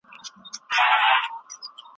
شور به ګډ په شالمار سي د زلمیو